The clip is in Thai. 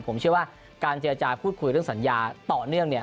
ผมเชื่อว่าการเจรจาพูดคุยเรื่องสัญญาต่อเนื่องเนี่ย